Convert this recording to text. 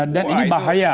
dan ini bahaya